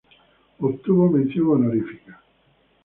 Obtuvo mención honorífica.